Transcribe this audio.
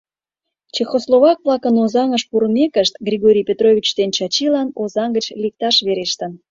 Чехословак-влакын Озаҥыш пурымекышт, Григорий Петрович ден Чачилан Озаҥ гыч лекташ верештын.